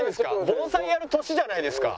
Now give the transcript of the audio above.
盆栽やる年じゃないですか。